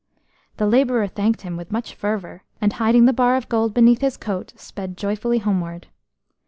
The labourer thanked him with much fervour, and, hiding the bar of gold beneath his coat, sped joyfully homeward.